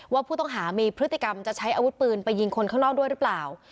ว่าผู้ต้องหามีพฤติกรรมจะใช้อาวุธปืนไปยิงคนข้างนอกด้วยหรือเปล่า